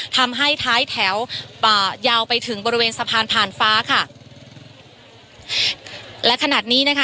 ทำให้ท้ายแถวป่ายาวไปถึงบริเวณสะพานผ่านฟ้าค่ะและขณะนี้นะคะ